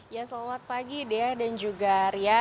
ya selamat pagi dea dan juga ria